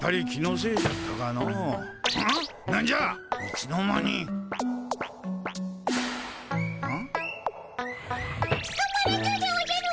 つかまらぬでおじゃる！